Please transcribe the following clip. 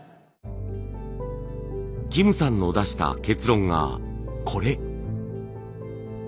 キムさんの出した結論がこれ。